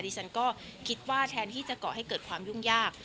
ดิฉันก็คิดว่าแทนที่จะก่อให้เกิดความยุ่งยาก